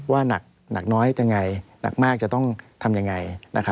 หนักน้อยยังไงหนักมากจะต้องทำยังไง